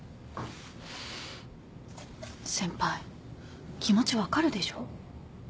先輩気持ち分かるでしょ？